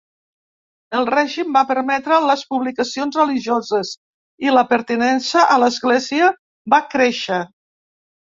El règim va permetre les publicacions religioses, i la pertinença a l'església va créixer.